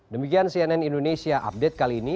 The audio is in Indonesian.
demikian cnn indonesia update kali ini